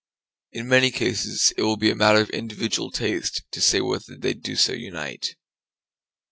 In many cases it will be a matter of individual taste to say whether they do so unite.